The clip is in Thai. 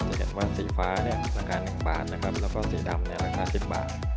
จะเห็นว่าสีฟ้าเนี้ยราคาหนึ่งบาทนะครับแล้วก็สีดำเนี้ยราคาสิบบาท